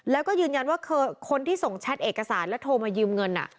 แล้วก็ยืนยันว่าคนที่ส่งแชทเอกสารแล้วโทรมายืมเงิน